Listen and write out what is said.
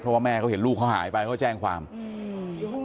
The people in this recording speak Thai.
เพราะว่าแม่เขาเห็นลูกเขาหายไปเขาแจ้งความอืม